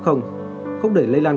không để lây lan của bệnh